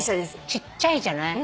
ちっちゃいじゃない？